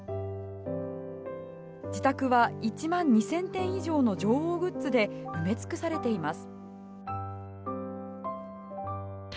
自宅は１万２０００点以上の女王グッズで埋め尽くされています。